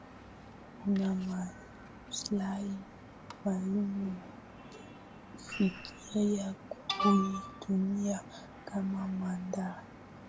una maslahi maalum fikiria kuitumia kama mandhari